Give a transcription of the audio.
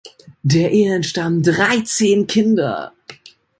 Der Ehe entstammen dreizehn Kinder.